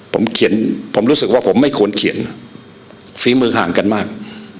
ผมเขียนผมรู้สึกว่าผมไม่ควรเขียนฝีมือห่างกันมาก